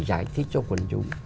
giải thích cho quần chúng